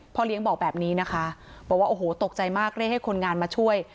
เลี้ยงบอกแบบนี้นะคะบอกว่าโอ้โหตกใจมากเรียกให้คนงานมาช่วย